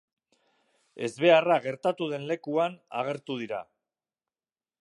Ezbeharra gertatu den lekuan agertu dira.